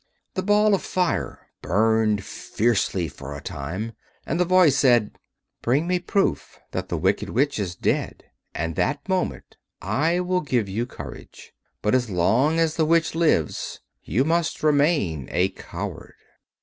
The Ball of Fire burned fiercely for a time, and the voice said, "Bring me proof that the Wicked Witch is dead, and that moment I will give you courage. But as long as the Witch lives, you must remain a coward."